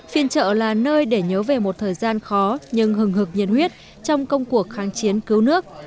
phiên chợ là nơi để nhớ về một thời gian khó nhưng hừng hực nhiệt huyết trong công cuộc kháng chiến cứu nước